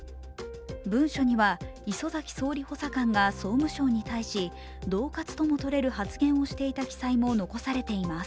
文書には礒崎総理補佐官が総務省に対し、どう喝ともとれる発言をしていた記載も残されています。